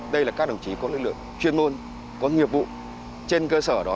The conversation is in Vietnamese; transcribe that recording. đây là các đồng chí có lực lượng chuyên môn có nghiệp vụ trên cơ sở đó